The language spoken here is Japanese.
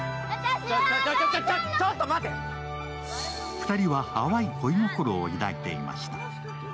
２人は淡い恋心を抱いていました。